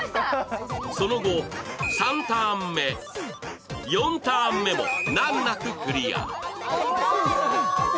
その後、３ターン目、４ターン目も難なくクリア。